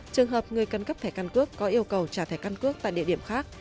trường hợp người cần cấp thẻ căn cước có yêu cầu trả thẻ căn cước tại địa điểm khác